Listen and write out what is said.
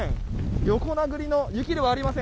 横殴りの雪ではありません。